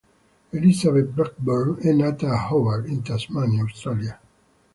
Elizabeth Blackburn è nata a Hobart, in Tasmania, Australia.